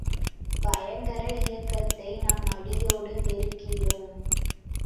பயங்கர இயக்கத்தை நாம் அடியோடு வெறுக்கிறோம்.